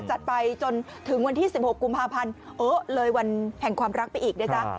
จัดไปจนถึงวันที่๑๖กุมภาพันธ์เลยวันแห่งความรักไปอีกนะจ๊ะ